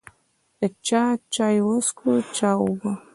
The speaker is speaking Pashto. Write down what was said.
چا چای وڅښو، چا اوبه.